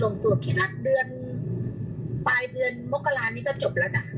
ก็ลงตรวจคิดละเดือนปลายเดือนมกรานนี้ก็จบแล้วน่ะ